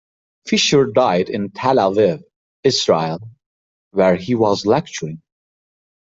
Fisher died in Tel Aviv, Israel, where he was lecturing.